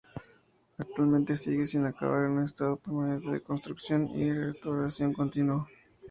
Actualmente sigue sin acabar, en un estado permanente de construcción y restauración continuo.